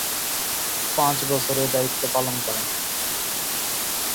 পাঁচ বছর এ দায়িত্ব পালন করেন।